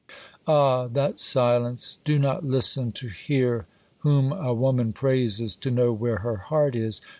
Ah, that silence! Do not listen to hear whom a woman praises, to know where her heart is!